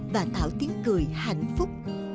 và tạo tiếng cười hạnh phúc